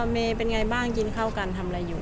เมย์เป็นไงบ้างกินข้าวกันทำอะไรอยู่